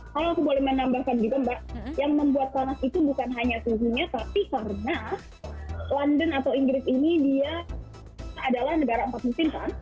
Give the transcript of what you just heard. kalau aku boleh menambahkan juga mbak yang membuat panas itu bukan hanya suhunya tapi karena london atau inggris ini dia adalah negara empat musim kan